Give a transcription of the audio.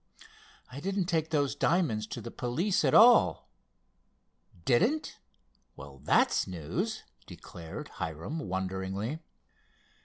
"I didn't take those diamonds to the police at all." "Didn't? Well, that's news!" declared Hiram wonderingly.